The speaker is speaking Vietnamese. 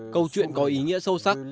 câu chuyện có ý nghĩa sâu sắc